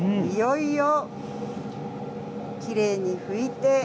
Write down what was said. いよいよきれいに拭いて。